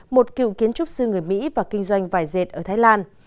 một cựu kiến trúc sư người mỹ và kinh doanh vài dệt ở thái lan